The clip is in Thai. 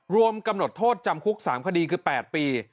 รวมกำหนดโทษจำคุก๓คดีคือ๘ปี